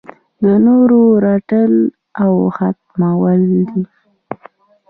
د نورو رټل او ختمول دي.